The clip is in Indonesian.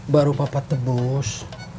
baru papa tebus